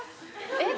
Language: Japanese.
えっ？